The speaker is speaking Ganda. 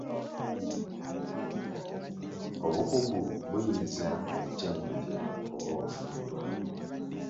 Obukugu buyinza okutendekebwa oba okufunibwa.